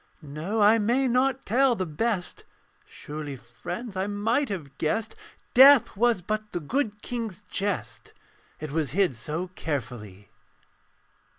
No: I may not tell the best; Surely, friends, I might have guessed Death was but the good King's jest, It was hid so carefully.